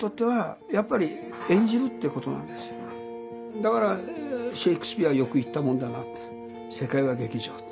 だからシェークスピアはよく言ったもんだなって。